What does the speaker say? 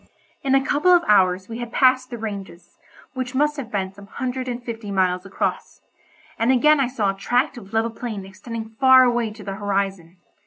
In a couple of hours we had passed the ranges, which must have been some hundred and fifty miles across, and again I saw a tract of level plain extending far away to the horizon.